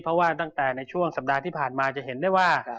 เพราะว่าตั้งแต่ในช่วงสัปดาห์ที่ผ่านมาจะเห็นได้ว่า